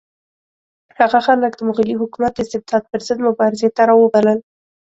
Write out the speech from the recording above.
هغه خلک د مغلي حکومت د استبداد پر ضد مبارزې ته راوبلل.